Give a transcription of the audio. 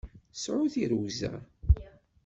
Sɛu tirrugza!